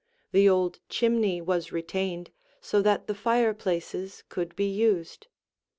The old chimney was retained, so that the fireplaces could be used.